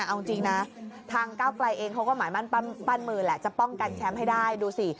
เอาจริงนะทางก้าวไกลเองเขาก็หมายมั่นมือแหละจะป้องกันแชมป์ให้ได้ดูสิ